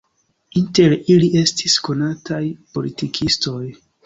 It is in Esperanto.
Inter ili estis konataj politikistoj.